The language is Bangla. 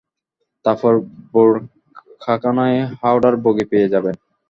তারপর বোরখাখানায় হাওড়ার বগি পেয়ে যাবেন।